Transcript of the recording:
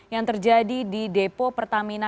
yang terjadi di depo pertamina